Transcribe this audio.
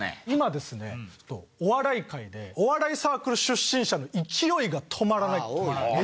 今ですねお笑い界でお笑いサークル出身者の勢いが止まらないという。